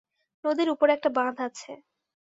নদীর উপরে একটা বাঁধ আছে।